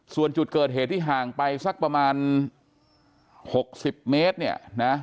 ส่วนจุดเกิดเหตุที่ห่างไปสักประมาณ๖๐เมตรเนี่ยนะ